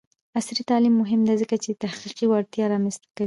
عصري تعلیم مهم دی ځکه چې تحقیقي وړتیا رامنځته کوي.